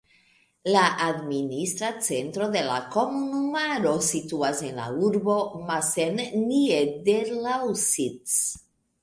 La administra centro de la komunumaro situas en la urbo Massen-Niederlausitz.